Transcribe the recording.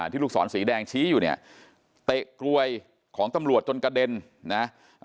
ลูกศรสีแดงชี้อยู่เนี่ยเตะกรวยของตำรวจจนกระเด็นนะ